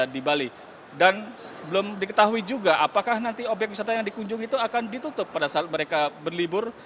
dan belum diketahui juga apakah nanti obyek wisata yang dikunjungi itu akan ditutup pada saat mereka berlibur